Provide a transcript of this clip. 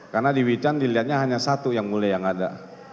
karena di wican dilihatnya hanya satu yang mulia yang ada